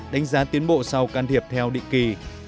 đánh giá tiến bộ sau can thiệp theo định kỳ